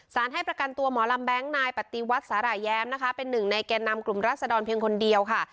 ให้ประกันตัวหมอลำแบงค์นายปฏิวัติสาหร่ายแย้มนะคะเป็นหนึ่งในแก่นำกลุ่มรัศดรเพียงคนเดียวค่ะ